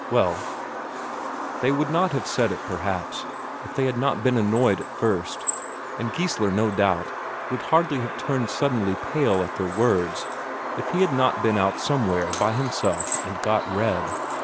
Well, they would not have said it, perhaps, if they had not been annoyed at first; and Geissler, no doubt, would hardly have turned suddenly pale at their words if he had not been out somewhere by himself and got red.